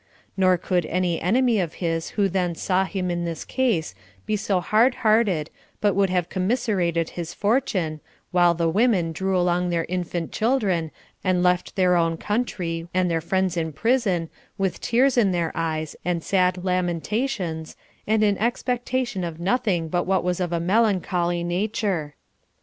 Nor could any enemy of his who then saw him in this case be so hardhearted, but would have commiserated his fortune, while the women drew along their infant children and left their own country, and their friends in prison, with tears in their eyes, and sad lamentations, and in expectation of nothing but what was of a melancholy nature.